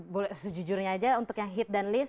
boleh sejujurnya aja untuk yang hit dan list